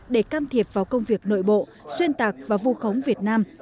để can thiệp vào công việc nội bộ xuyên tạc và vu khống việt nam